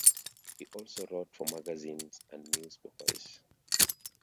He also wrote for magazines and newspapers.